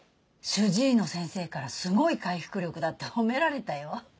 主治医の先生からすごい回復力だって褒められたよ。